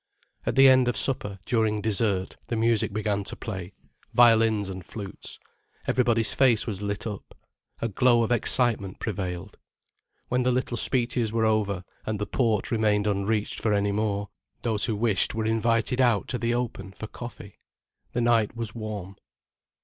At the end of supper, during dessert, the music began to play, violins, and flutes. Everybody's face was lit up. A glow of excitement prevailed. When the little speeches were over, and the port remained unreached for any more, those who wished were invited out to the open for coffee. The night was warm.